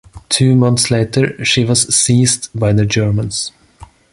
Two months later she was seized by the Germans.